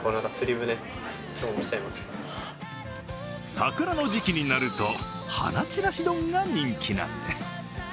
桜の時期になるとはなちらし丼が人気なんです。